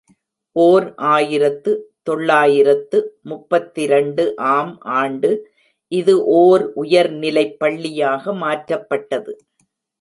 ஓர் ஆயிரத்து தொள்ளாயிரத்து முப்பத்திரண்டு ஆம் ஆண்டு இது ஓர் உயர் நிலைப்பள்ளியாக மாற்றப்பட்டது.